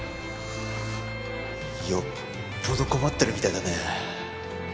よっぽど困ってるみたいだね。